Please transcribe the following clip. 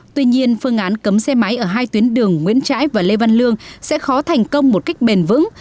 tuy nhiên phương án cấm xe máy ở hai tuyến đường nguyễn trãi và lê văn lương sẽ khó thành công một cách bền vững